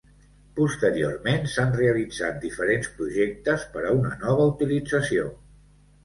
Posteriorment s'han realitzat diferents projectes per a una nova utilització.